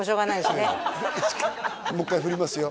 もう一回振りますよ？